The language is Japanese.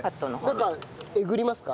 なんかえぐりますか？